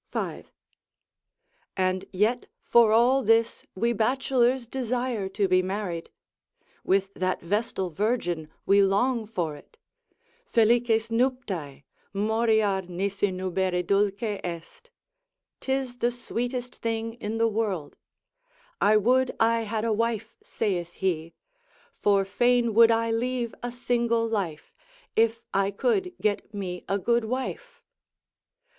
5. And yet for all this we bachelors desire to be married; with that vestal virgin, we long for it, Felices nuptae! moriar, nisi nubere dulce est. 'Tis the sweetest thing in the world, I would I had a wife saith he, For fain would I leave a single life, If I could get me a good wife.